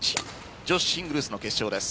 女子シングルスの決勝です。